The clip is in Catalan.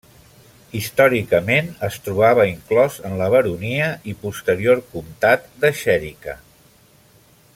Històricament es trobava inclòs en la baronia i posterior comtat de Xèrica.